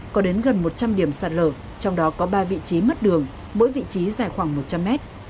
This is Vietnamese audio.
có đến gần một trăm linh điểm sạt lở trong đó có ba vị trí mất đường mỗi vị trí dài khoảng một trăm linh mét